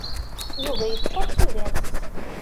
Yuba yeččuṛ d tudert.